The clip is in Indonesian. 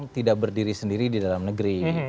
tidak berdiri sendiri di dalam negeri